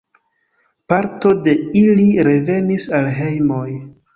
Parto de ili revenis al hejmoj.